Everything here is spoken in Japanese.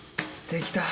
できた。